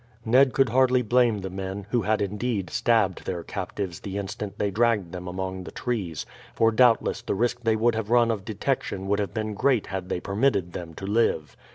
Ned could hardly blame the men, who had indeed stabbed their captives the instant they dragged them among the trees, for doubtless the risk they would have run of detection would have been great had they permitted them to live.